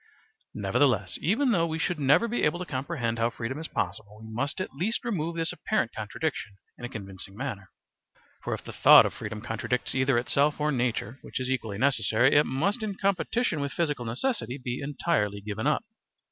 Nevertheless, even though we should never be able to comprehend how freedom is possible, we must at least remove this apparent contradiction in a convincing manner. For if the thought of freedom contradicts either itself or nature, which is equally necessary, it must in competition with physical necessity be entirely given up.